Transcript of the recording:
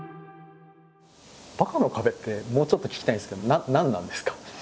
「バカの壁」ってもうちょっと聞きたいんですけど何なんですか？